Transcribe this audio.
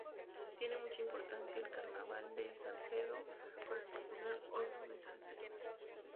Tiene mucha importancia el carnaval de Salcedo, con el popular Oso de Salcedo.